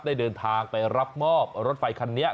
ได้เดินทางไปรับมอบรถไฟคันนี้